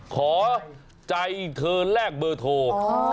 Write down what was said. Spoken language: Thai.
ขอใจเธอแลกเบอร์โทร